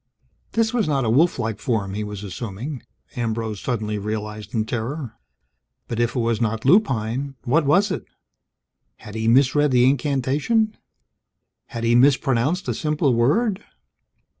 This was not a wolf like form, he was assuming, Ambrose suddenly realized in terror. But if it was not lupine, what was it? Had he misread the incantation? Had he mispronounced a simple word?